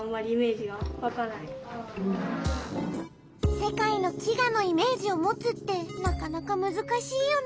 世界の飢餓のイメージを持つってなかなかむずかしいよね。